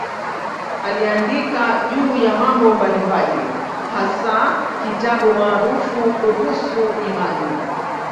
Aliandika juu ya mambo mbalimbali, hasa kitabu maarufu kuhusu imani.